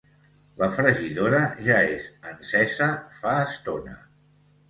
La fregidora ja és encesa fa estona